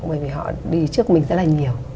bởi vì họ đi trước mình rất là nhiều